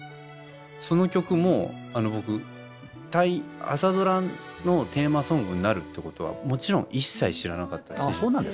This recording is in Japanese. その曲も僕タイ朝ドラのテーマソングになるってことはもちろん一切知らなかったし。